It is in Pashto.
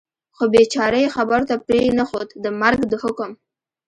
خو بېچاره یې خبرو ته پرېنښود، د مرګ د حکم.